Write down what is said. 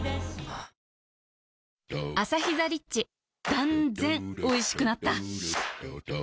断然おいしくなった